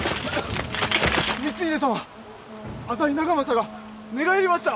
光秀様浅井長政が寝返りました！